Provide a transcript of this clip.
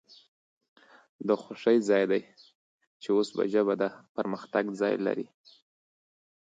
د خوښۍ ځای د چې اوس ژبه د پرمختګ ځای لري